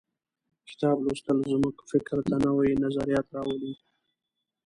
کتاب لوستل زموږ فکر ته نوي نظریات راولي.